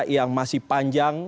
yang masih panjang